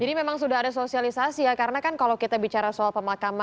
jadi memang sudah ada sosialisasi ya karena kan kalau kita bicara soal pemakaman